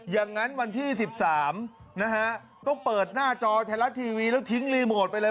อย่างนั้นวันที่๑๓ต้องเปิดหน้าจอแถละทีวีแล้วทิ้งรีโมทไปเลย